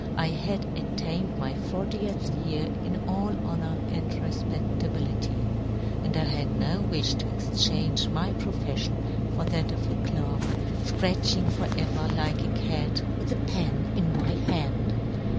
I had attained ' my fortieth year in all honour and re * fpeftability, and I had no wiih to ' exchange my profeflion for that of ' a clerk, fcratching for ever, like a ' cat, w^ith a pen in my hand.